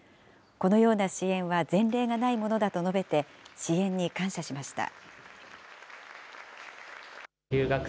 このような支援は前例がないものだと述べて、支援に感謝しました。